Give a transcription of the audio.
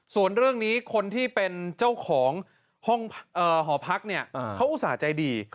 ส่วนเรื่องนี้คนที่เป็นเจ้าของห้องหอพักเนี่ยเขาอุตส่าห์ใจดี